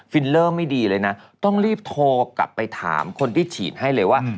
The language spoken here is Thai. ฟิลเลอร์ไม่ดีเลยนะต้องรีบโทรกลับไปถามคนที่ฉีดให้เลยว่า